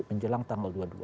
ini adalah perubahan kita